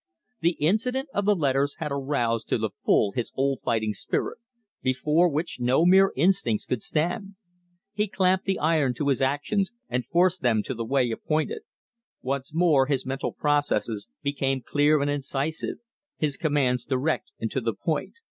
The incident of the letters had aroused to the full his old fighting spirit, before which no mere instincts could stand. He clamped the iron to his actions and forced them to the way appointed. Once more his mental processes became clear and incisive, his commands direct and to the point.